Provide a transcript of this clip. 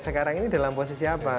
sekarang ini dalam posisi apa